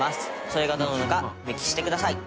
それがどれなのか目利きしてください。